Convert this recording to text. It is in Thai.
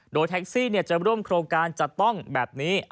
โดยแท็กซี่จะร่วมโครงการจะต้องแบบนี้